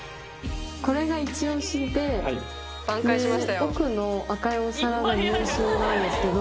これが一押しで奥の赤いお皿が二押しなんですけど。